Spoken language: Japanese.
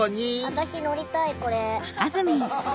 私乗りたいこれ。